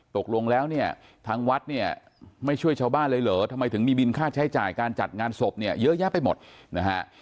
ตกลงแล้วเนี่ยทางวัดเนี่ยไม่ช่วยชาวบ้านเลยเหรอทำไมถึงมีบินค่าใช้จ่ายการจัดงานศพเนี่ยเยอะแยะไปหมดนะฮะ